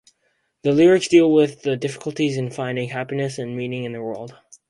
The lyrics deal with the difficulties in finding happiness and meaning in the world.